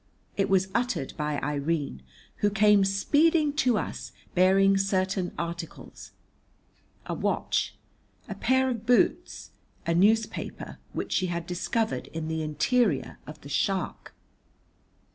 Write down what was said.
It was uttered by Irene, who came speeding to us, bearing certain articles, a watch, a pair of boots, a newspaper, which she had discovered in the interior of the shark.